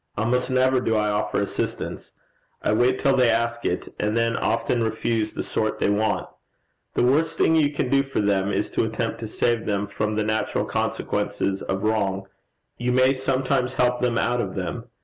Almost never do I offer assistance. I wait till they ask it, and then often refuse the sort they want. The worst thing you can do for them is to attempt to save them from the natural consequences of wrong: you may sometimes help them out of them.